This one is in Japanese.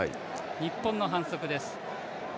日本の反則です。